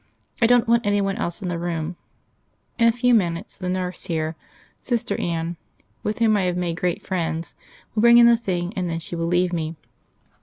I don't want any one else in the room. In a few minutes the nurse here Sister Anne, with whom I have made great friends will bring in the thing, and then she will leave me.